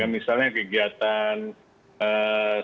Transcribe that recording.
misalnya kegiatan sekolah